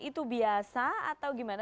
itu biasa atau gimana